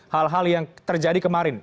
hal hal yang terjadi kemarin